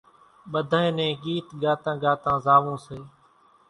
ٻڌانئين نين ڳيت ڳاتان ڳاتان زاوون سي